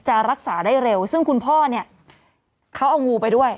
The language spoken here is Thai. จะรักษาได้เร็วซึ่งคุณพ่อเนี่ยเขาเอางูไปด้วย